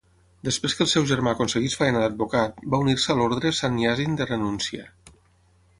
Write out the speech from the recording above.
Després que el seu germà aconseguís feina d'advocat, va unir-se a l'ordre Sanniasin de renúncia.